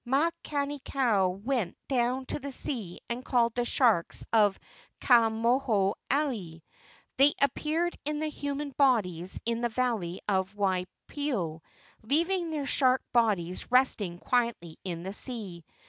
Makani kau went down to the sea and called the sharks of Ka moho alii. They appeared in their human bodies in the valley of Waipio, leaving their shark bodies resting quietly in the sea.